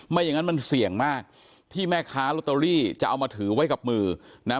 อย่างนั้นมันเสี่ยงมากที่แม่ค้าลอตเตอรี่จะเอามาถือไว้กับมือนะ